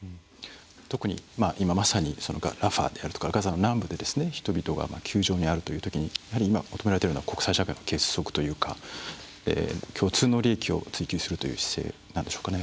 特にラファやガザの南部で、人々が窮状にあるというときに今、求められているのは国際社会の結束というか共通の利益を追求するという姿勢なんでしょうか。